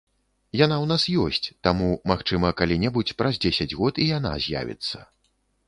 Яна ў нас ёсць, таму, магчыма, калі-небудзь, праз дзесяць год і яна з'явіцца.